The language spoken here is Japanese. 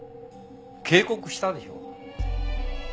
警告したでしょ。